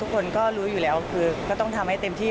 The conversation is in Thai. คนก็รู้อยู่แล้วคือก็ต้องทำให้เต็มที่